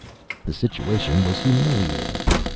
The situation was humiliating.